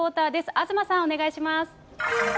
東さん、お願いします。